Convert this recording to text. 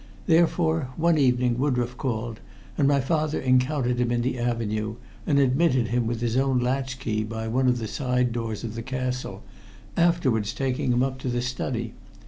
Therefore one evening Woodroffe called, and my father encountered him in the avenue, and admitted him with his own latchkey by one of the side doors of the castle, afterwards taking him up to the study.